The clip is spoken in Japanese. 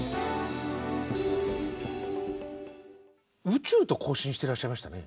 宇宙と交信してらっしゃいましたね。